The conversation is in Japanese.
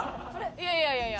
いやいやいやいや。